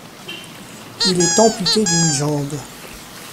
Il est amputé d'une jambe.